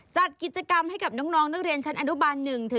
จัดกิจกรรมให้กับน้องนักเรียนชั้นอนุบาล๑